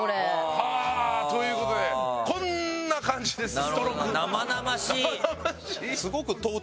はぁ！ということでこんな感じですスト録。